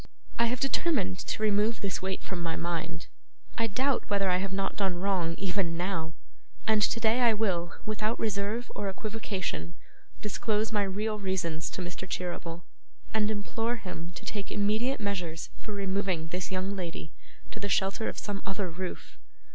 I have determined to remove this weight from my mind. I doubt whether I have not done wrong, even now; and today I will, without reserve or equivocation, disclose my real reasons to Mr Cherryble, and implore him to take immediate measures for removing this young lady to the shelter of some other roof.